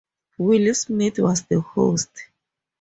Will Smith was the host.